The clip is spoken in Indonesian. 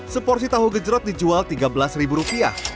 seporsi tahu gejot dijual tiga belas ribu rupiah